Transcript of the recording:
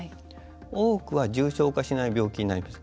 多くは重症化しない病気になります。